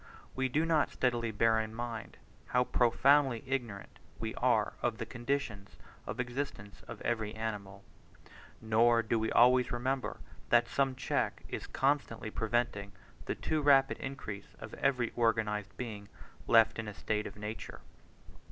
We do not steadily bear in mind, how profoundly ignorant we are of the conditions of existence of every animal; nor do we always remember, that some check is constantly preventing the too rapid increase of every organized being left in a state of nature.